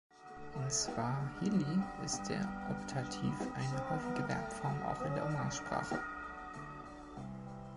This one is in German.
In Swahili ist der Optativ eine häufige Verbform auch in der Umgangssprache.